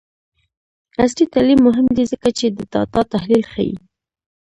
عصري تعلیم مهم دی ځکه چې د ډاټا تحلیل ښيي.